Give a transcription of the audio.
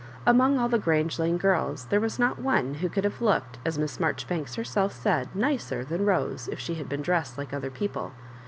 Among all the Grange Lane girls there was not one who would have looked, as Mi8s Marjoribanks herself said, nicer than Rose if she had been dressed like other people.